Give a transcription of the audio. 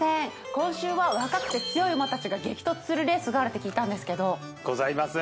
今週は若くて強い馬たちが激突するレースがあるって聞いたんですけどございます！